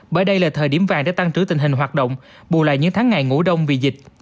bởi đây là thời điểm vàng để tăng trữ tình hình hoạt động bù lại những tháng ngày ngủ đông vì dịch